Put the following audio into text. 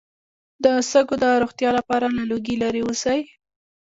د سږو د روغتیا لپاره له لوګي لرې اوسئ